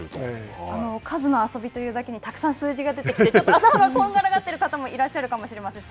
数の遊びというだけにたくさん数字が出てきて、ちょっと頭がこんがらがっている方もいらっしゃるかもしれません。